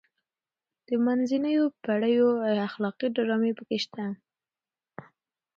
د منځنیو پیړیو اخلاقي ډرامې پکې شته.